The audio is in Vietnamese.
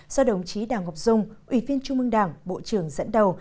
do đồng chí đảng ngọc dung ủy viên trung mương đảng bộ trưởng dẫn đầu